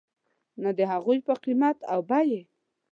نه د هغوی په قیمت او بیې .